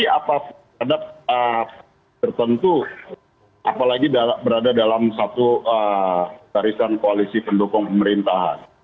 ada tertentu apalagi berada dalam satu tarisan koalisi pendukung pemerintahan